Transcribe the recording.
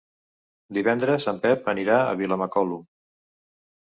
Divendres en Pep anirà a Vilamacolum.